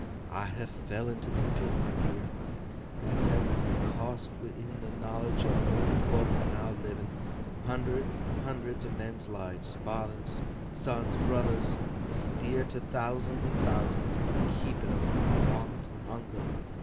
'I ha' fell into th' pit, my dear, as have cost wi'in the knowledge o' old fok now livin, hundreds and hundreds o' men's lives—fathers, sons, brothers, dear to thousands an' thousands, an' keeping 'em fro' want and hunger.